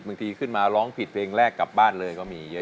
ขึ้นมาร้องผิดเพลงแรกกลับบ้านเลยก็มีเยอะ